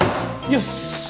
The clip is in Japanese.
よし！